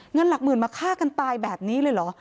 เงินหลักหมื่นมาฆ่ากันตายแบบนี้เลยเหรอ